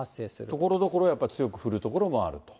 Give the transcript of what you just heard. ところどころ、やっぱり強く降る所もあると。